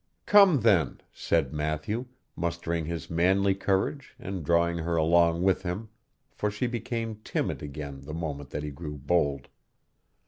'Come, then,' said Matthew, mustering his manly courage and drawing her along with him, for she became timid again the moment that he grew bold.